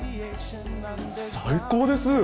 最高です！